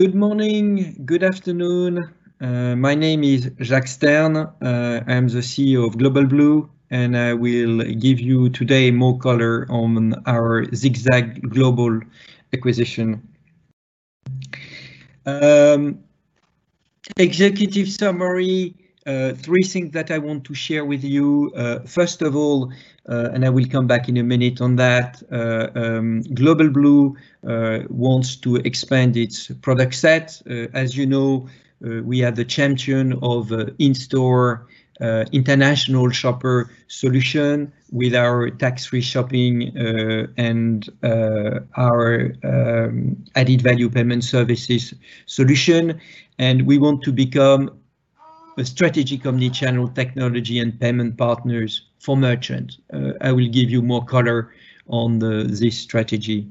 Good morning, good afternoon. My name is Jacques Stern. I'm the CEO of Global Blue, and I will give you today more color on our ZigZag Global acquisition. Executive summary, three things that I want to share with you. First of all, and I will come back in a minute on that, Global Blue wants to expand its product set. As you know, we are the champion of in-store international shopper solution with our tax-free shopping and our added-value payment services solution. We want to become a strategic omnichannel technology and payment partners for merchants. I will give you more color on this strategy.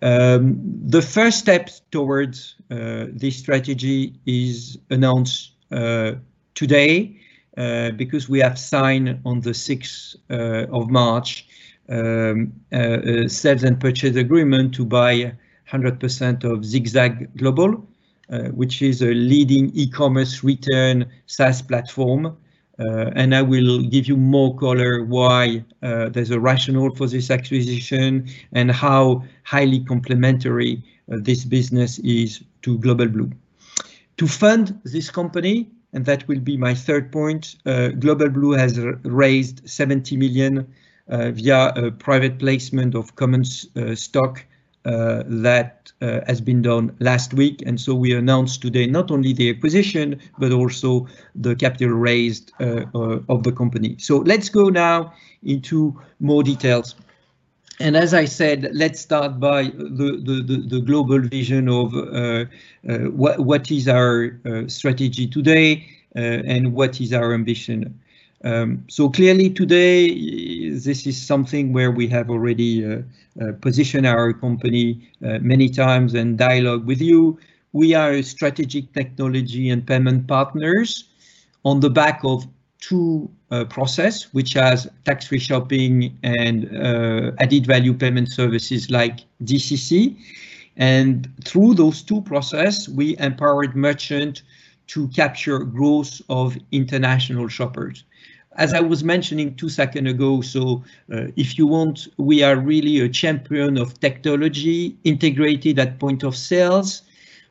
The first step towards this strategy is announced today, because we have signed on the 6th of March, sales and purchase agreement to buy 100% of ZigZag Global, which is a leading e-commerce return SaaS platform. I will give you more color why there's a rationale for this acquisition, and how highly complementary this business is to Global Blue. To fund this company, that will be my third point, Global Blue has raised 70 million via private placement of common stock that has been done last week. We announce today not only the acquisition, but also the capital raised of the company. Let's go now into more details. As I said, let's start by the global vision of what is our strategy today, and what is our ambition. Clearly today, this is something where we have already positioned our company many times in dialogue with you. We are a strategic technology and payment partners on the back of two process, which has tax-free shopping and added-value payment services like DCC. Through those two processes, we empowered merchants to capture growth of international shoppers. As I was mentioning two seconds ago, so if you want, we are really a champion of technology integrated at point of sale,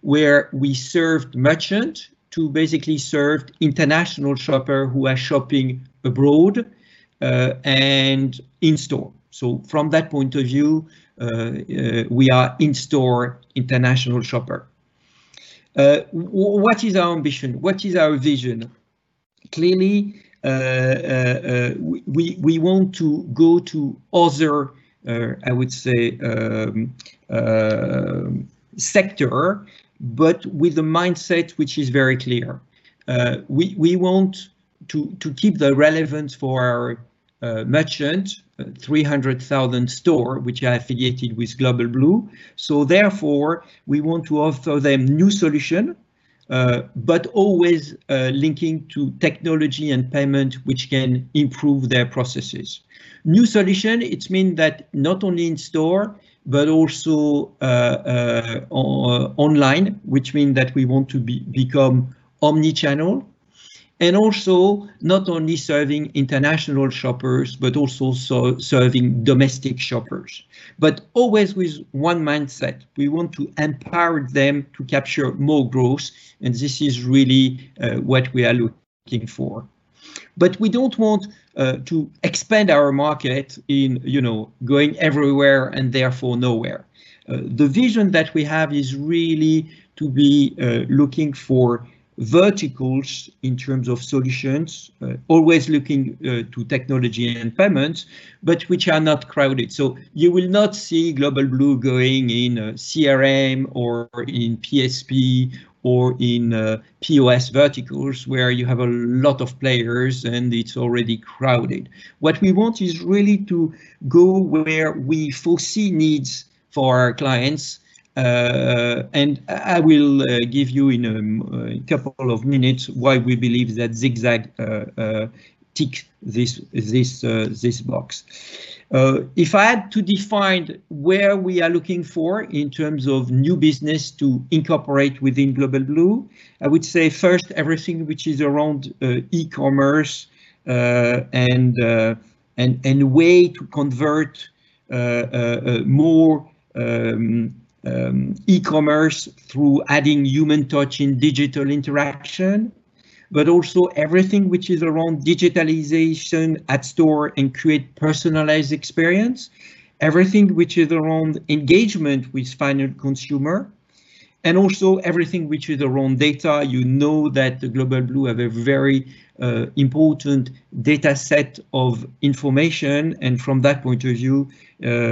where we served merchants to basically serve international shoppers who are shopping abroad and in-store. From that point of view, we are in-store international shoppers. What is our ambition? What is our vision? Clearly, we want to go to other, I would say, sectors, but with a mindset which is very clear. We want to keep the relevance for our merchants, 300,000 stores, which are affiliated with Global Blue. Therefore, we want to offer them new solutions, but always linking to technology and payment, which can improve their processes. New solutions, it means that not only in-store, but also online, which means that we want to become omnichannel. Also, not only serving international shoppers, but also serving domestic shoppers. Always with one mindset, we want to empower them to capture more growth, and this is really what we are looking for. We don't want to expand our market in going everywhere and therefore nowhere. The vision that we have is really to be looking for verticals in terms of solutions, always looking to technology and payments, but which are not crowded. You will not see Global Blue going in CRM or in PSP or in POS verticals where you have a lot of players and it's already crowded. What we want is really to go where we foresee needs for our clients. I will give you in a couple of minutes why we believe that ZigZag tick this box. If I had to define where we are looking for in terms of new business to incorporate within Global Blue, I would say first, everything which is around e-commerce, and way to convert more e-commerce through adding human touch in digital interaction. Also everything which is around digitalization at store and create personalized experience. Everything which is around engagement with final consumer, and also everything which is around data. You know that the Global Blue have a very important data set of information. From that point of view,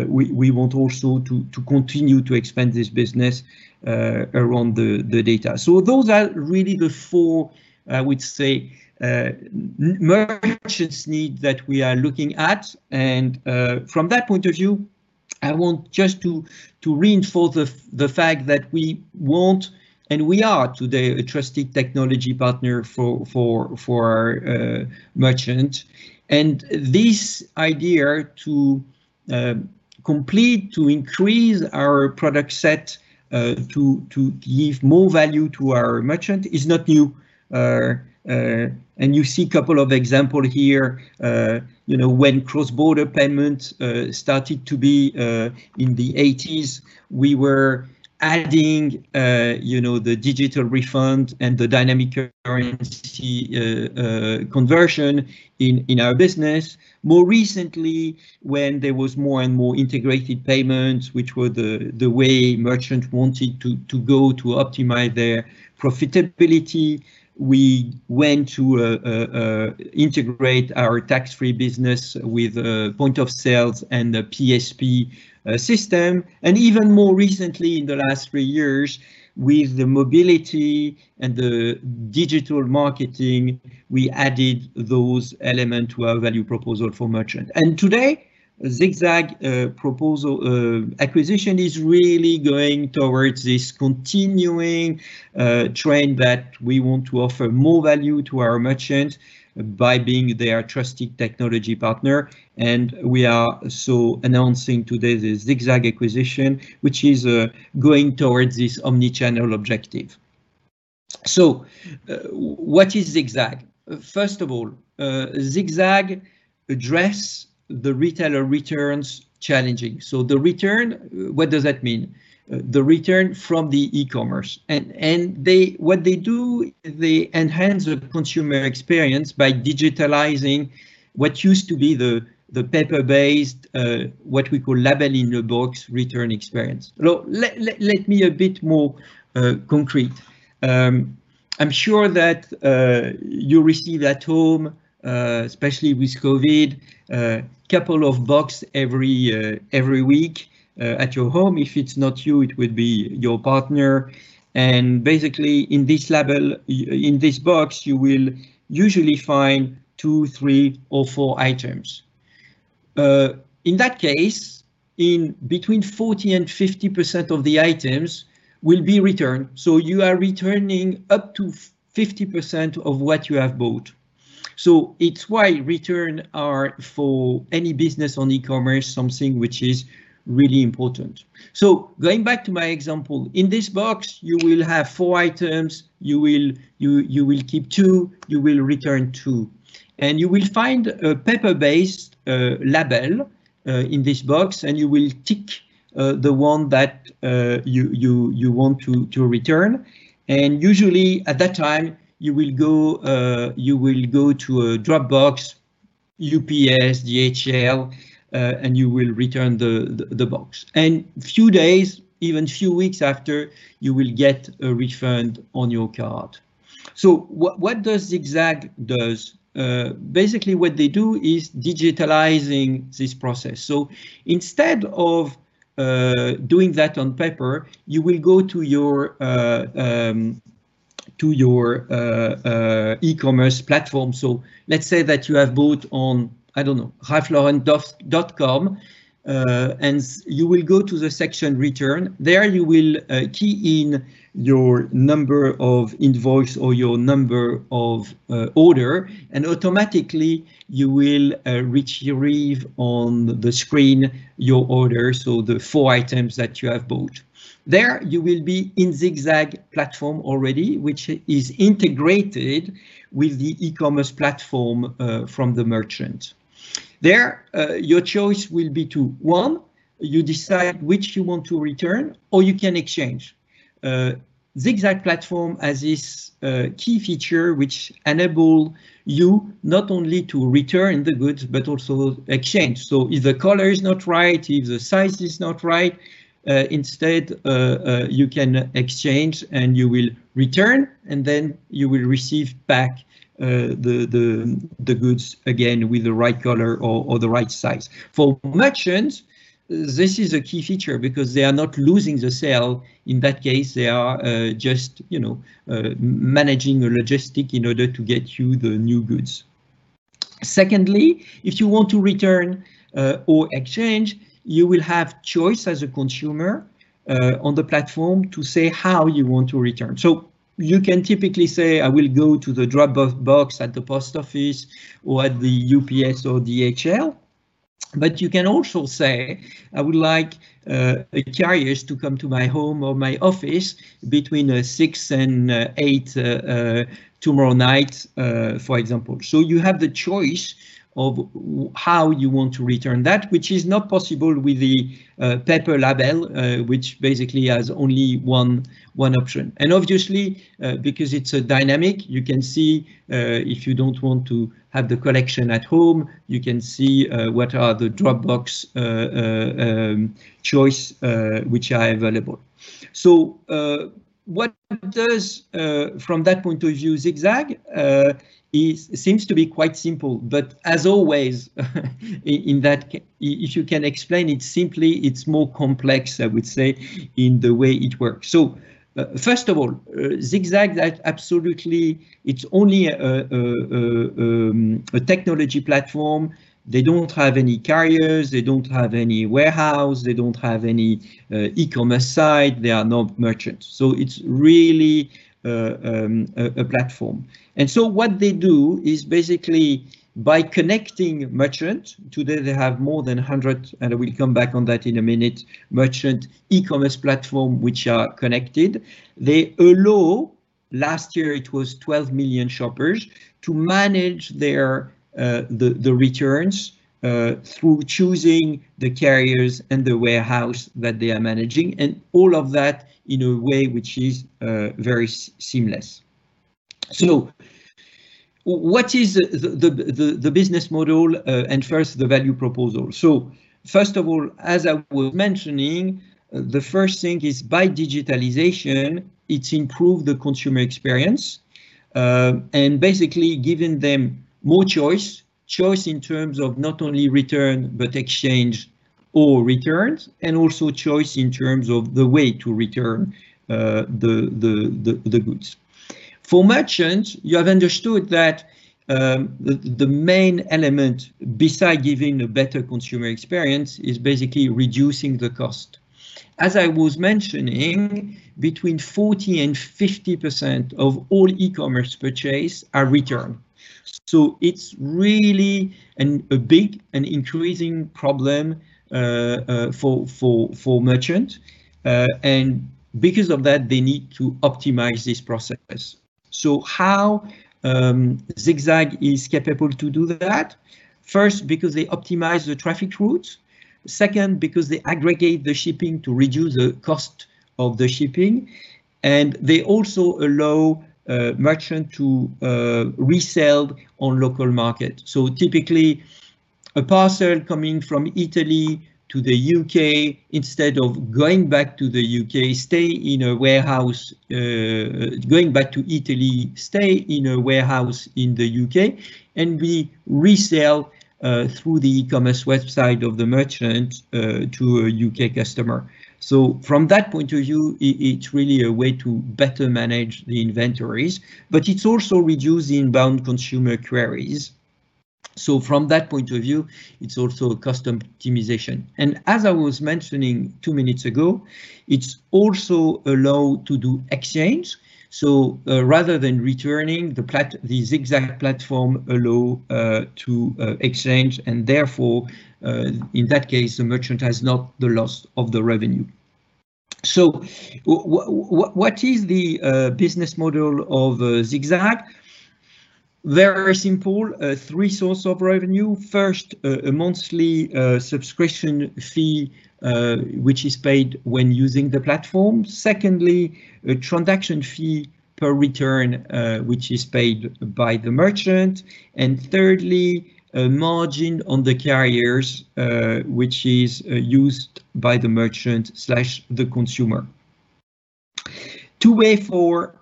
we want also to continue to expand this business around the data. Those are really the four, I would say, merchants need that we are looking at. From that point of view, I want just to reinforce the fact that we want, and we are today a trusted technology partner for merchant. This idea to complement to increase our product set to give more value to our merchant is not new. You see couple of example here. When cross-border payments started to be in the 1980s, we were adding the digital refund and the Dynamic Currency Conversion in our business. More recently, when there was more and more integrated payments, which were the way merchant wanted to go to optimize their profitability, we went to integrate our tax-free business with a point of sales and the PSP system. Even more recently, in the last three years, with the mobility and the digital marketing, we added those element to our value proposal for merchant. Today, ZigZag proposal acquisition is really going towards this continuing trend that we want to offer more value to our merchant by being their trusted technology partner. We are announcing today the ZigZag acquisition, which is going towards this omni-channel objective. What is ZigZag? First of all, ZigZag address the retailer returns challenge. The return, what does that mean? The return from the e-commerce. What they do, they enhance the consumer experience by digitizing what used to be the paper-based, what we call label-in-the-box return experience. Let me a bit more concrete. I'm sure that you receive at home, especially with COVID, a couple of box every week at your home. If it's not you, it would be your partner. Basically, in this box, you will usually find two, three, or four items. In that case, in between 40% and 50% of the items will be returned. You are returning up to 50% of what you have bought. It's why returns are, for any business on e-commerce, something which is really important. Going back to my example. In this box, you will have four items. You will keep two, you will return two. You will find a paper-based label in this box, and you will tick the one that you want to return. Usually, at that time, you will go to a drop box, UPS, DHL, and you will return the box. Few days, even few weeks after, you will get a refund on your card. What does ZigZag does? Basically, what they do is digitalizing this process. Instead of doing that on paper, you will go to your e-commerce platform. Let's say that you have bought on, I don't know, ralphlauren.com, and you will go to the section Return. There you will key in your number of invoice or your number of order, and automatically you will retrieve on the screen your order. The four items that you have bought. There you will be in ZigZag platform already, which is integrated with the e-commerce platform from the merchant. There, your choice will be to, one, you decide which you want to return or you can exchange. ZigZag platform has this key feature which enable you not only to return the goods but also exchange. If the color is not right, if the size is not right, instead you can exchange, and you will return, and then you will receive back the goods again with the right color or the right size. For merchants, this is a key feature because they are not losing the sale. In that case, they are just managing a logistics in order to get you the new goods. Secondly, if you want to return or exchange, you will have choice as a consumer on the platform to say how you want to return. You can typically say, "I will go to the drop-off box at the post office or at the UPS or DHL." You can also say, "I would like a carriers to come to my home or my office between 6:00 P.M. and 8:00 P.M. tomorrow night," for example. You have the choice of how you want to return that, which is not possible with the paper label, which basically has only one option. Obviously, because it's a dynamic, you can see, if you don't want to have the collection at home, you can see what are the drop box choice which are available. From that point of view, ZigZag seems to be quite simple, but as always, if you can explain it simply, it's more complex, I would say, in the way it works. First of all, ZigZag, absolutely, it's only a technology platform. They don't have any carriers. They don't have any warehouse. They don't have any e-commerce site. They are not merchants. It's really a platform. What they do is basically by connecting merchants, today they have more than 100, and we'll come back on that in a minute, merchant e-commerce platform which are connected. They allow, last year it was 12 million shoppers, to manage the returns through choosing the carriers and the warehouse that they are managing, and all of that in a way which is very seamless. What is the business model? First, the value proposal. First of all, as I was mentioning, the first thing is by digitalization, it improved the consumer experience, and basically giving them more choice. Choice in terms of not only return, but exchange or returns, and also choice in terms of the way to return the goods. For merchants, you have understood that the main element beside giving a better consumer experience is basically reducing the cost. As I was mentioning, between 40% and 50% of all e-commerce purchase are returned. It's really a big and increasing problem for merchant. Because of that, they need to optimize this process. How ZigZag is capable to do that? First, because they optimize the traffic routes. Second, because they aggregate the shipping to reduce the cost of the shipping. They also allow merchant to resell on local market. Typically, a parcel coming from Italy to the U.K., instead of going back to Italy, stay in a warehouse in the U.K., and we resell through the e-commerce website of the merchant to a U.K. customer. From that point of view, it's really a way to better manage the inventories, but it's also reducing inbound consumer queries. From that point of view, it's also a cost optimization. As I was mentioning two minutes ago, it's also allow to do exchange. Rather than returning, the ZigZag platform allow to exchange and therefore, in that case, the merchant has not the loss of the revenue. What is the business model of ZigZag? Very simple. Three source of revenue. First, a monthly subscription fee which is paid when using the platform. Secondly, a transaction fee per return which is paid by the merchant. Thirdly, a margin on the carriers which is used by the merchant/the consumer. Two way for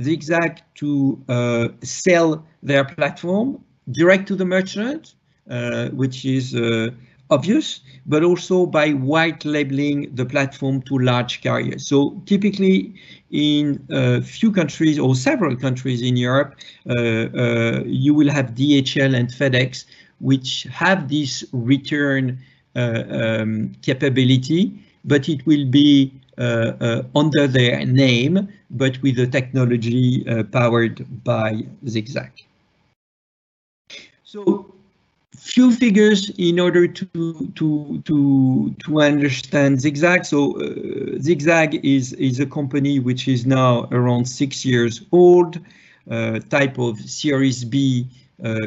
ZigZag to sell their platform: direct to the merchant, which is obvious, but also by white labeling the platform to large carriers. Typically, in a few countries or several countries in Europe you will have DHL and FedEx, which have this return capability, but it will be under their name, but with the technology powered by ZigZag. Few figures in order to understand ZigZag. ZigZag is a company which is now around six years old, type of Series B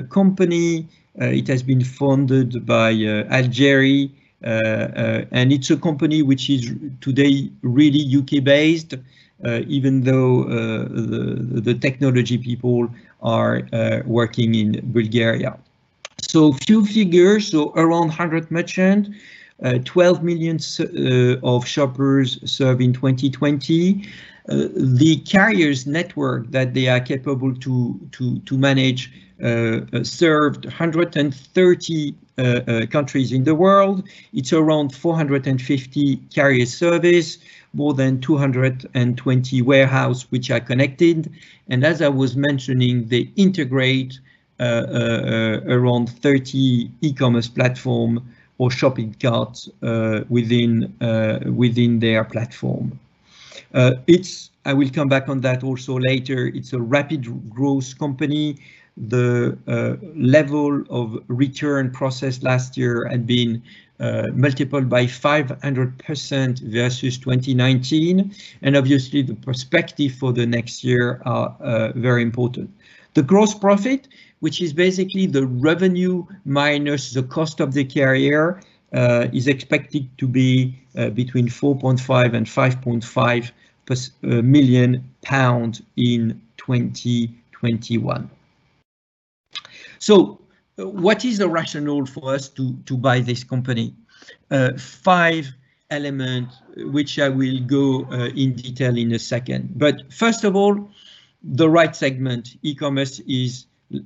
company. It has been founded by Al Gerrie, and it's a company which is today really U.K.-based, even though the technology people are working in Bulgaria. Few figures. Around 100 merchant, 12 millions of shoppers served in 2020. The carriers network that they are capable to manage served 130 countries in the world. It's around 450 carrier service. More than 220 warehouse which are connected. As I was mentioning, they integrate around 30 e-commerce platform or shopping carts within their platform. I will come back on that also later. It's a rapid growth company. The level of return process last year had been multiplied by 500% versus 2019. Obviously, the perspective for the next year are very important. The gross profit, which is basically the revenue minus the cost of the carrier, is expected to be between 4.5 million and 5.5 million pounds in 2021. What is the rationale for us to buy this company? Five element which I will go in detail in a second. First of all, the right segment. E-commerce is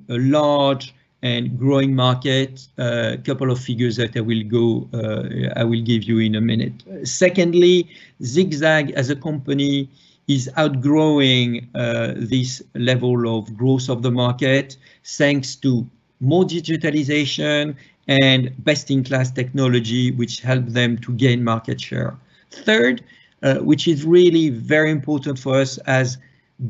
a large and growing market. A couple of figures that I will give you in a minute. Secondly, ZigZag as a company is outgrowing this level of growth of the market. Thanks to more digitalization and best-in-class technology, which help them to gain market share. Third, which is really very important for us as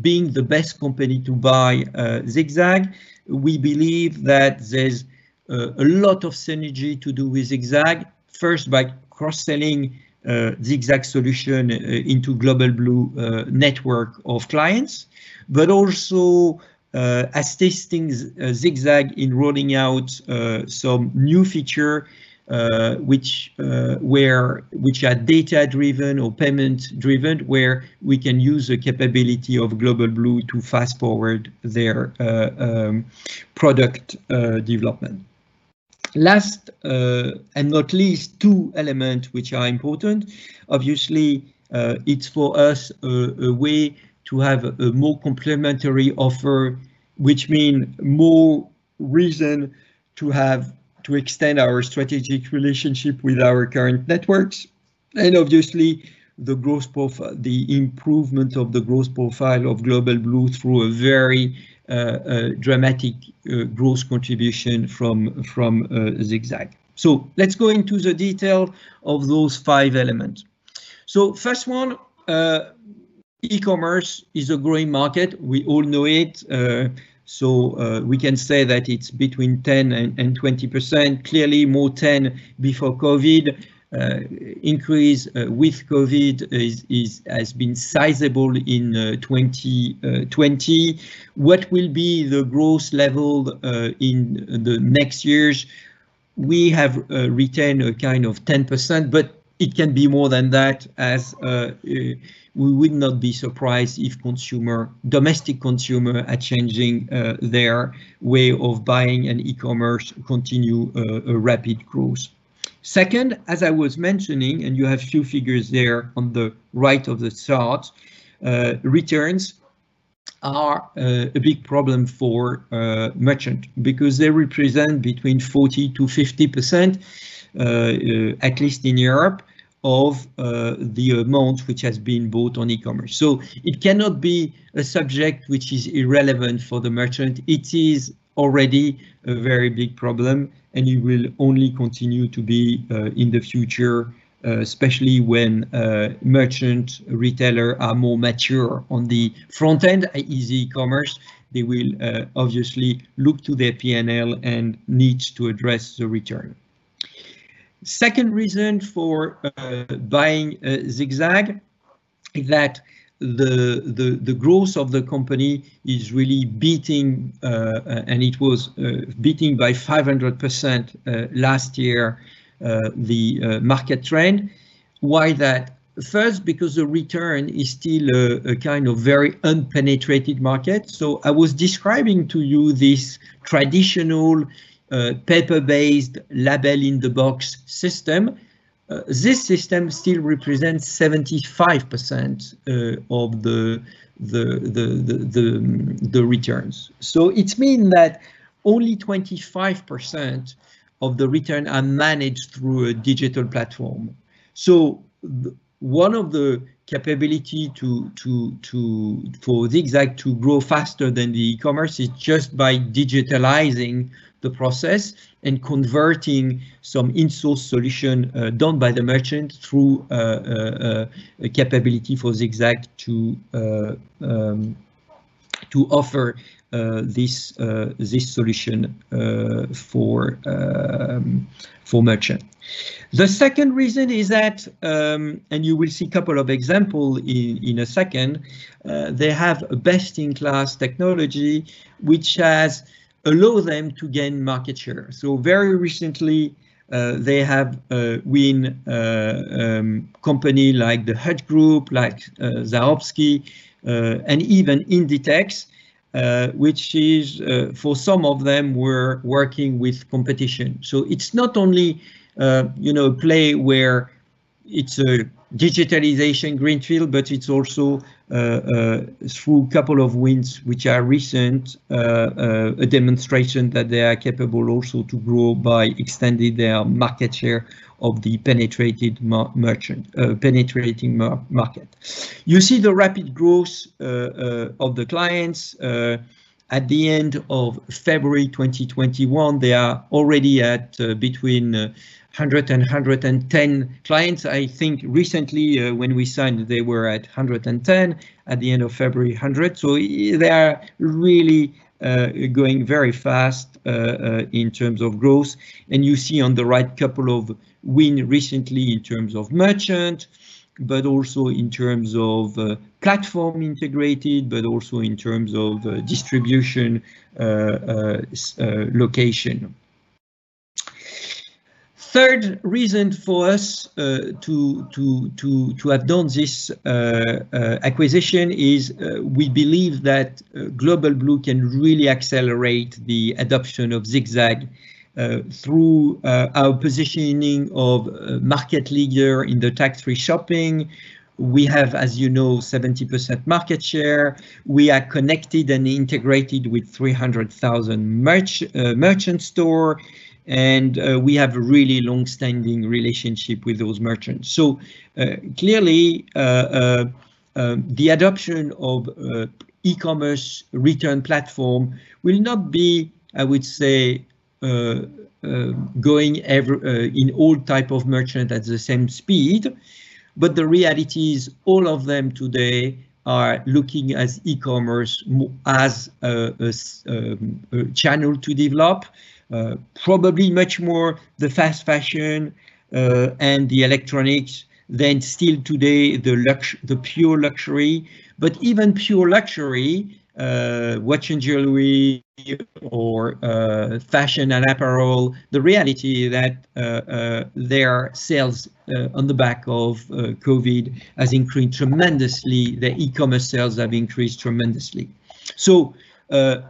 being the best company to buy ZigZag, we believe that there's a lot of synergy to do with ZigZag. First by cross-selling the ZigZag solution into Global Blue network of clients, but also assisting ZigZag in rolling out some new feature which are data-driven or payment-driven, where we can use the capability of Global Blue to fast-forward their product development. Last and not least, two element which are important. Obviously, it's for us a way to have a more complementary offer, which mean more reason to extend our strategic relationship with our current networks, and obviously the improvement of the growth profile of Global Blue through a very dramatic growth contribution from ZigZag. Let's go into the detail of those five elements. First one, e-commerce is a growing market. We all know it. We can say that it's between 10% and 20%, clearly more 10% before COVID. Increase with COVID has been sizable in 2020. What will be the growth level in the next years? We have retained a kind of 10%, but it can be more than that, as we would not be surprised if domestic consumer are changing their way of buying, and e-commerce continue a rapid growth. Second, as I was mentioning, and you have few figures there on the right of the chart, returns are a big problem for merchant because they represent between 40%-50%, at least in Europe, of the amount which has been bought on e-commerce. It cannot be a subject which is irrelevant for the merchant. It is already a very big problem, and it will only continue to be in the future, especially when merchant retailer are more mature on the front end, i.e., e-commerce. They will obviously look to their P&L and needs to address the return. Second reason for buying ZigZag is that the growth of the company is really beating, and it was beating by 500% last year the market trend. Why that? First, because the return is still a kind of very unpenetrated market. I was describing to you this traditional paper-based label-in-the-box system. This system still represents 75% of the returns. It mean that only 25% of the return are managed through a digital platform. One of the capability for ZigZag to grow faster than the e-commerce is just by digitalizing the process and converting some in-source solution done by the merchant through a capability for ZigZag to offer this solution for merchant. The second reason is that, and you will see couple of example in a second, they have best-in-class technology which has allow them to gain market share. Very recently, they have win company like The Hut Group, like Swarovski, and even Inditex, which is for some of them were working with competition. It's not only play where it's a digitalization greenfield, but it's also through couple of wins which are recent demonstration that they are capable also to grow by extending their market share of the penetrating market. You see the rapid growth of the clients. At the end of February 2021, they are already at between 100 and 110 clients. I think recently when we signed, they were at 110. At the end of February, 100. They are really growing very fast in terms of growth, and you see on the right couple of win recently in terms of merchant, but also in terms of platform integrated, but also in terms of distribution location. Third reason for us to have done this acquisition is we believe that Global Blue can really accelerate the adoption of ZigZag through our positioning of market leader in the tax-free shopping. We have, as you know, 70% market share. We are connected and integrated with 300,000 merchant store. We have really longstanding relationship with those merchants. Clearly, the adoption of e-commerce return platform will not be, I would say, going in all type of merchant at the same speed. The reality is all of them today are looking at e-commerce as a channel to develop. Probably much more the fast fashion and the electronics than still today, the pure luxury. Even pure luxury, watch and jewelry or fashion and apparel, the reality that their sales on the back of COVID has increased tremendously. The e-commerce sales have increased tremendously.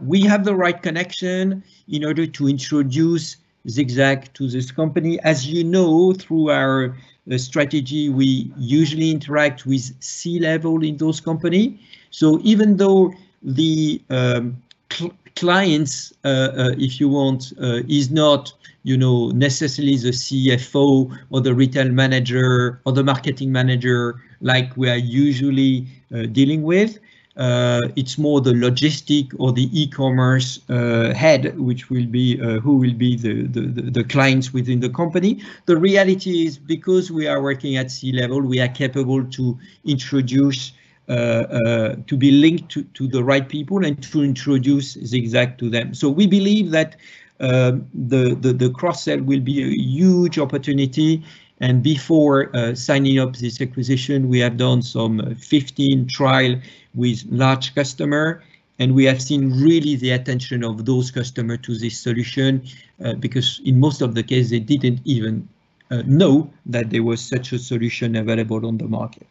We have the right connection in order to introduce ZigZag to this company. As you know, through our strategy, we usually interact with C-level in those company. Even though the clients, if you want, is not necessarily the CFO or the retail manager or the marketing manager like we are usually dealing with, it's more the logistic or the e-commerce head who will be the clients within the company. The reality is because we are working at C-level, we are capable to be linked to the right people and to introduce ZigZag to them. We believe that the cross-sell will be a huge opportunity and before signing up this acquisition, we have done some 15 trial with large customer, and we have seen really the attention of those customer to this solution. In most of the case, they didn't even know that there was such a solution available on the market.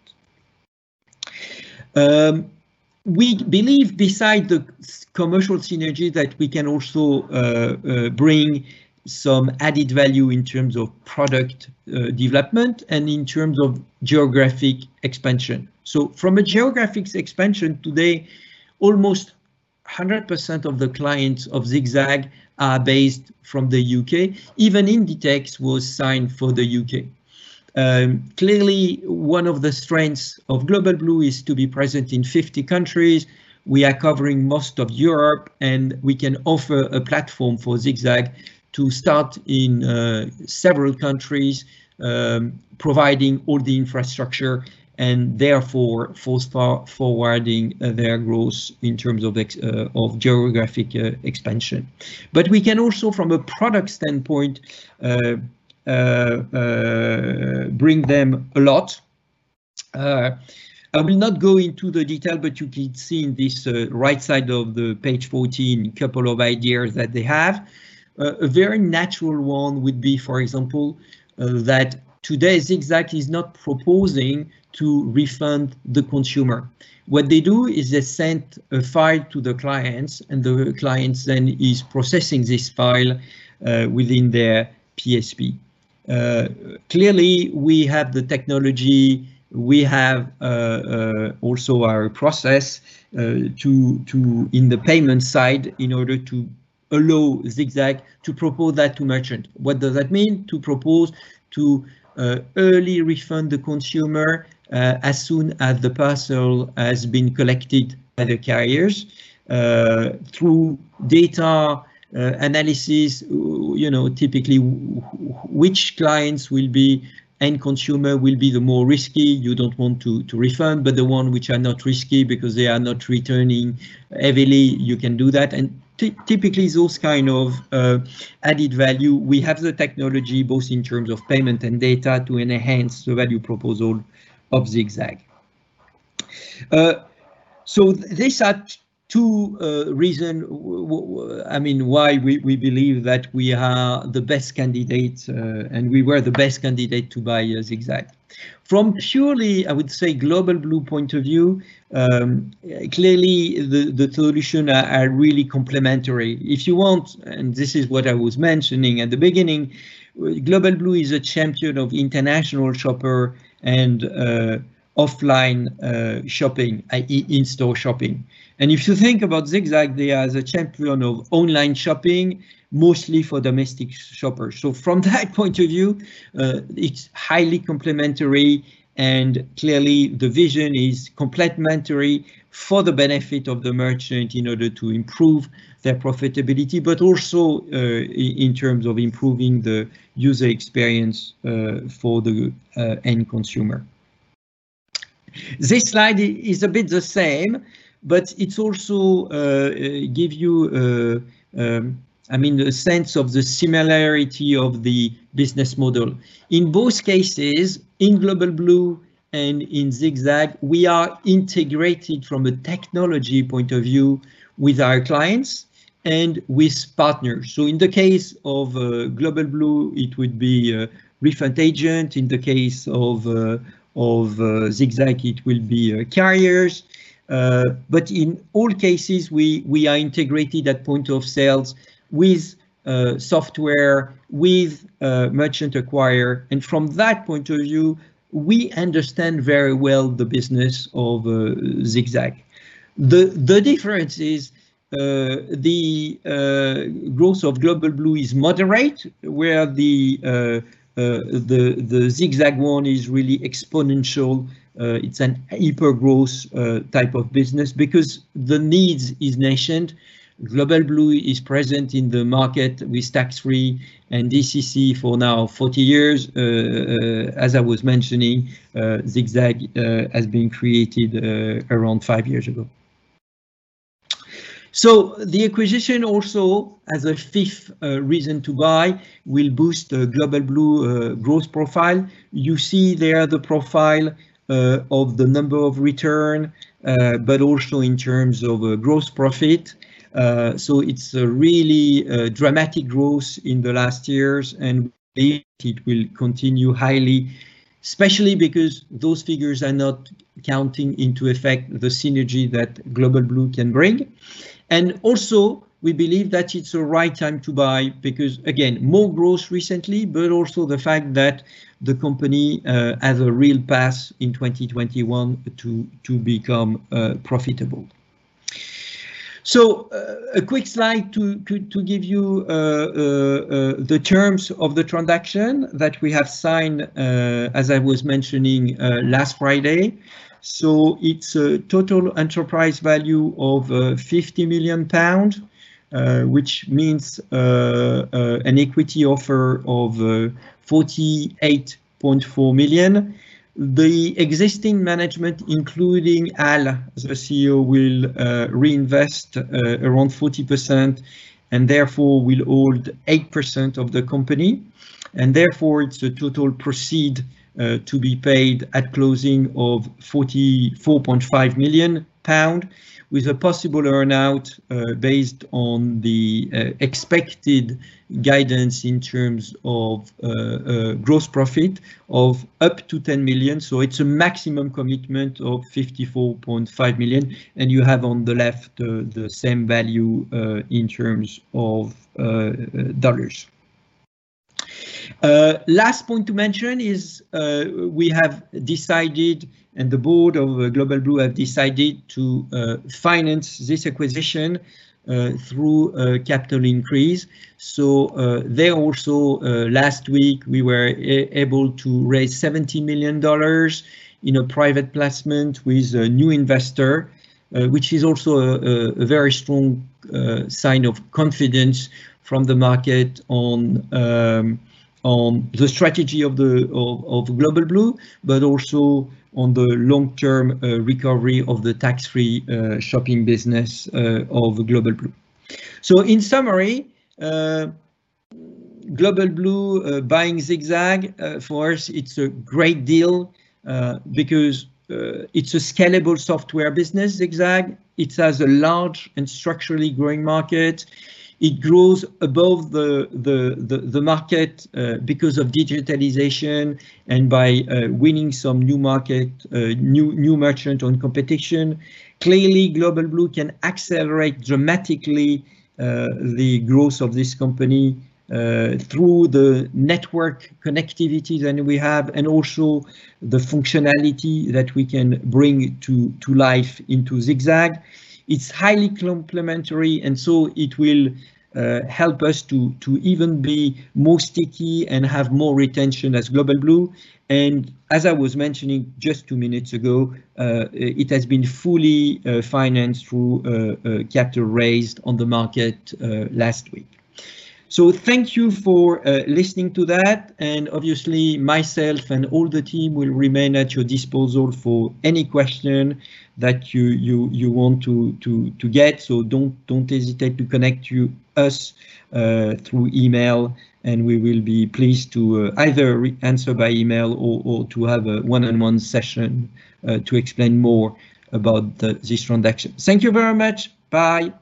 We believe beside the commercial synergy that we can also bring some added-value in terms of product development and in terms of geographic expansion. From a geographic expansion today, almost 100% of the clients of ZigZag are based from the U.K., even Inditex was signed for the U.K. Clearly, one of the strengths of Global Blue is to be present in 50 countries. We are covering most of Europe, and we can offer a platform for ZigZag to start in several countries, providing all the infrastructure and therefore forwarding their growth in terms of geographic expansion. We can also, from a product standpoint, bring them a lot. I will not go into the detail, but you can see in this right side of the page 14, a couple of ideas that they have. A very natural one would be, for example, that today ZigZag is not proposing to refund the consumer. What they do is they send a file to the clients, and the clients then is processing this file within their PSP. Clearly, we have the technology. We have also our process in the payment side in order to allow ZigZag to propose that to merchant. What does that mean to propose to early refund the consumer, as soon as the parcel has been collected by the carriers? Through data analysis, typically which clients will be end consumer will be the more risky, you don't want to refund. The one which are not risky because they are not returning heavily, you can do that. Typically, those kind of added-value, we have the technology both in terms of payment and data to enhance the value proposal of ZigZag. These are two reasons why we believe that we are the best candidate, and we were the best candidate to buy ZigZag. From purely, I would say, Global Blue point of view, clearly the solutions are really complementary. If you want, and this is what I was mentioning at the beginning, Global Blue is a champion of international shoppers and offline shopping, i.e. in-store shopping. If you think about ZigZag, they are the champions of online shopping, mostly for domestic shoppers. From that point of view, it's highly complementary, and clearly the vision is complementary for the benefit of the merchants in order to improve their profitability, but also, in terms of improving the user experience for the end consumer. This slide is a bit the same, but it also gives you the sense of the similarity of the business model. In both cases, in Global Blue and in ZigZag, we are integrated from a technology point of view with our clients and with partners. In the case of Global Blue, it would be a refund agent. In the case of ZigZag, it will be carriers. In all cases, we are integrated at point of sales with software, with merchant acquirer. From that point of view, we understand very well the business of ZigZag. The difference is, the growth of Global Blue is moderate, where the ZigZag one is really exponential. It's an hyper-growth type of business because the needs is nascent. Global Blue is present in the market with tax-free and DCC for now 40 years. As I was mentioning, ZigZag has been created around five years ago. The acquisition also, as a fifth reason to buy, will boost the Global Blue growth profile. You see there the profile of the number of returns, but also in terms of gross profit. It's a really dramatic growth in the last years, and it will continue highly, especially because those figures are not counting into effect the synergy that Global Blue can bring. Also, we believe that it's the right time to buy, because, again, more growth recently, but also the fact that the company has a real path in 2021 to become profitable. A quick slide to give you the terms of the transaction that we have signed, as I was mentioning, last Friday. It's a total enterprise value of 50 million pounds, which means an equity offer of 48.4 million. The existing management, including Al as the CEO, will reinvest around 40% and therefore will hold 8% of the company. Therefore, it's the total proceed to be paid at closing of 44.5 million pound with a possible earn-out based on the expected guidance in terms of gross profit of up to 10 million. It's a maximum commitment of 54.5 million, and you have on the left the same value in terms of dollars. Last point to mention is we have decided, and the Board of Global Blue have decided, to finance this acquisition through a capital increase. There also last week we were able to raise $70 million in a private placement with a new investor, which is also a very strong sign of confidence from the market on the strategy of Global Blue, but also on the long-term recovery of the tax-free shopping business of Global Blue. In summary, Global Blue buying ZigZag, for us it's a great deal because it's a scalable software business, ZigZag. It has a large and structurally growing market. It grows above the market because of digitalization and by winning some new market, new merchant on competition. Clearly, Global Blue can accelerate dramatically the growth of this company through the network connectivity that we have and also the functionality that we can bring to life into ZigZag. It's highly complementary, and so it will help us to even be more sticky and have more retention as Global Blue. As I was mentioning just two minutes ago, it has been fully financed through capital raised on the market last week. Thank you for listening to that. Obviously, myself and all the team will remain at your disposal for any question that you want to get. Don't hesitate to connect with us through email, and we will be pleased to either answer by email or to have a one-on-one session to explain more about this transaction. Thank you very much. Bye.